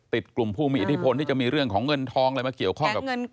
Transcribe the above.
ติดกลุ่มผู้มีอีทธิพลที่จะมีเรื่องของเงินทองเกี่ยวข้องกับ